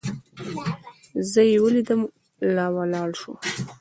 زه چې يې ولېدلم راولاړ سو.